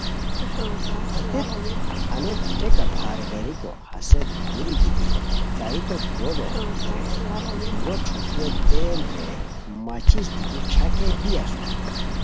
ہتیت آنو ٹیکہ پھار غیریکو ہسے دوری گیتی تائیتو گوڑو درے دورو ݯھوتیو تیل درے ماچس دیتی ݯاکیئے بی اسور